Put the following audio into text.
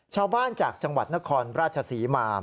ชาวบ้านจากจังหวัดนครราชศรีมา